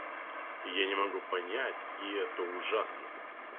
Я не могу понять, и это ужасно.